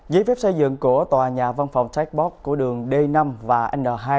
giấy phép xây dựng của tòa nhà văn phòng chatbot của đường d năm và n hai